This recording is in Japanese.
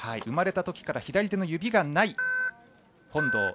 生まれたときから左手の指がない本堂。